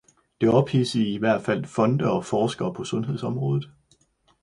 Det ophidsede i hvert fald fonde og forskere på sundhedsområdet.